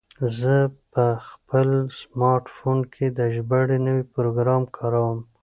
زه په خپل سمارټ فون کې د ژباړې نوی پروګرام کاروم.